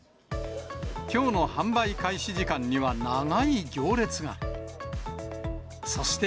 きょうの販売開始時間には長い行列が。